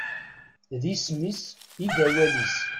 D isem-is i d awal-is.